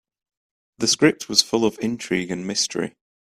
The script was full of intrigue and mystery.